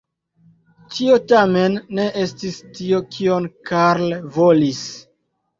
Tio tamen ne estis tio kion Carl volis.